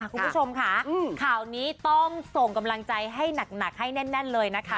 คุณผู้ชมค่ะข่าวนี้ต้องส่งกำลังใจให้หนักให้แน่นเลยนะคะ